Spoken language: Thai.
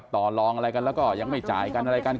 ต่อลองอะไรกันแล้วก็ยังไม่จ่ายกันอะไรกัน